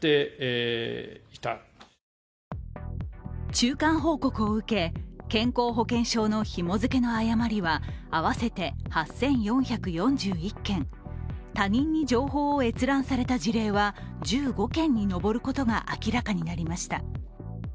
中間報告を受け、健康保険証のひも付けの誤りは合わせて８４４１件、他人に情報を閲覧された事例は１５件に上ることが明らかになりました。